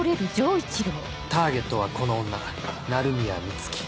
ターゲットはこの女鳴宮美月